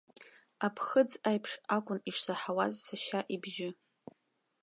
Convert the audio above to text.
Аԥхыӡ аиԥш акәын ишсаҳауаз сашьа ибжьы.